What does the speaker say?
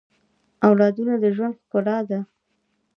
اولادونه د ژوند ښکلا ده